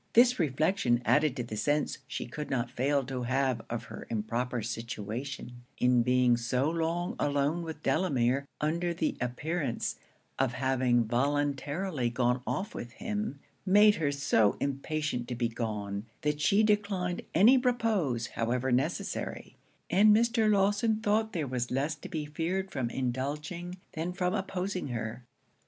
This reflection, added to the sense she could not fail to have of her improper situation in being so long alone with Delamere under the appearance of having voluntarily gone off with him, made her so impatient to be gone, that she declined any repose however necessary; and Mr. Lawson thought there was less to be feared from indulging than from opposing her.